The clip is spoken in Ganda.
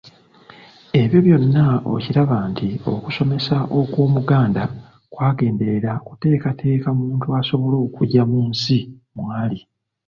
Ebyo byonna okiraba nti okusomesa kw’Omuganda kwagendereranga kuteekateeka muntu asobole okugya mu nsi mw’ali.